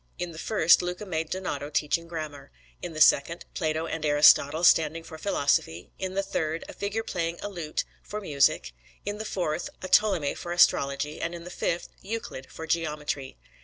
In the first Luca made Donato teaching grammar; in the second, Plato and Aristotle, standing for philosophy; in the third, a figure playing a lute, for music; in the fourth, a Ptolemy, for astrology; and in the fifth, Euclid, for geometry.